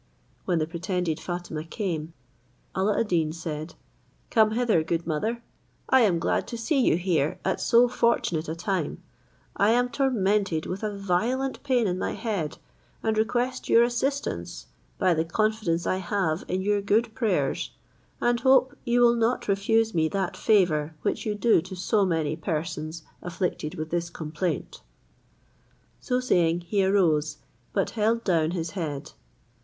When the pretended Fatima came, Alla ad Deen said, "Come hither, good mother; I am glad to see you here at so fortunate a time; I am tormented with a violent pain in my head, and request your assistance, by the confidence I have in your good prayers, and hope you will not refuse me that favour which you do to so many persons afflicted with this complaint." So saying, he arose, but held down his head.